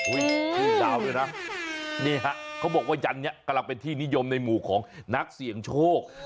อุ้ยขึ้นดาวดินะนี่ฮะเขาบอกว่ายันตร์เนี่ยกำลังเป็นที่นิยมในหมู่ของนักเสี่ยงโชค